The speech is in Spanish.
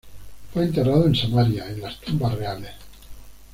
Fue enterrado en Samaria, en las tumbas reales.